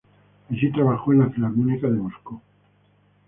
Allí trabajó en la Filarmónica de Moscú.